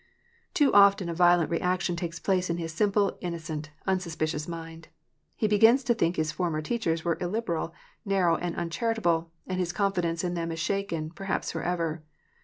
Too often a violent reaction takes place in his simple, innocent, unsuspicious mind. He begins to think his former teachers were illiberal, narrow, and uncharitable, and his confidence in them is shaken, perhaps for ever.